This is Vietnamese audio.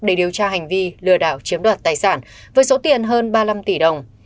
để điều tra hành vi lừa đảo chiếm đoạt tài sản với số tiền hơn ba mươi năm tỷ đồng